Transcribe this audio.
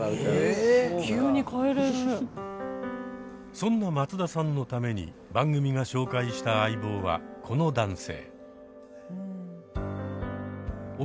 そんな松田さんのために番組が紹介した相棒はこの男性